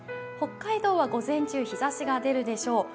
北海道は午前中日ざしが出るでしょう。